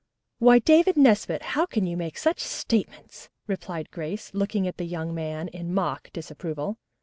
"Why, David Nesbit, how can you make such statements?" replied Grace, looking at the young man in mock disapproval.